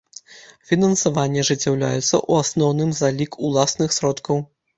Фінансаванне ажыццяўляецца ў асноўным за лік уласных сродкаў.